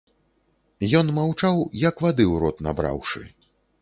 Ён маўчаў як вады ў рот набраўшы.